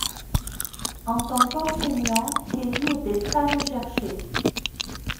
En tant qu'enseignant, Kelly était très recherché.